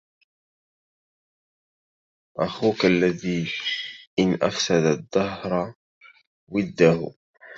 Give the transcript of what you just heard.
أخوك الذي إن أفسد الدهر وده